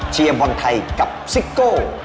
เชียร์บอลไทยกับซิกโก้